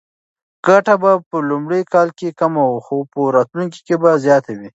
ګټه به په لومړي کال کې کمه خو په راتلونکي کې به زیاته وي.